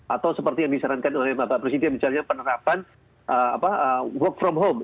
atau seperti yang disarankan oleh bapak presiden misalnya penerapan work from home